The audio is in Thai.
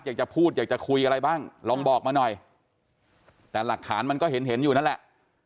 อยากจะพูดอยากจะคุยอะไรบ้างลองบอกมาหน่อยแต่หลักฐานมันก็เห็นเห็นอยู่นั่นแหละ